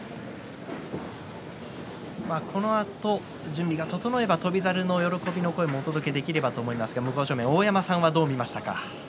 このあと準備が整えば翔猿と喜びの声をお届けできればと思いますが大山さん、どう見ましたか？